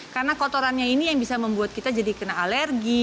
karena kotorannya ini yang bisa membuat kita jadi kena alergi